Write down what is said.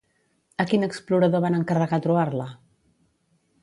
A quin explorador van encarregar trobar-la?